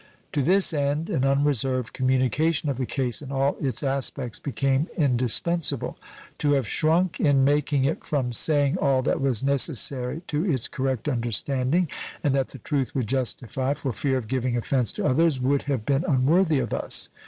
To this end an unreserved communication of the case in all its aspects became indispensable. To have shrunk in making it from saying all that was necessary to its correct understanding, and that the truth would justify, for fear of giving offense to others, would have been unworthy of us.